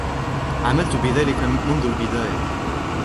علمت بذلك منذ البداية.